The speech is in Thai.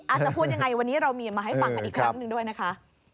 อาจจะพูดอย่างไรวันนี้เรามีมาให้ฟังอีกครั้งด้วยนะคะ